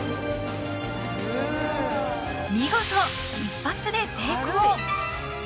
見事、一発で成功。